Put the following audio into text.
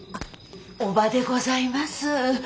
叔母でございます。